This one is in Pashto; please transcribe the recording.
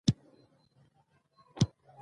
مېلې د کوچنيانو د تخلیقي فکر روزنه کوي.